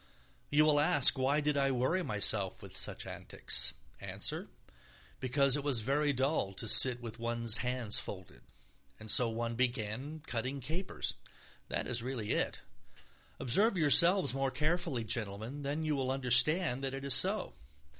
You will ask why did I worry myself with such antics: answer, because it was very dull to sit with one's hands folded, and so one began cutting capers. That is really it. Observe yourselves more carefully, gentlemen, then you will understand that it is so.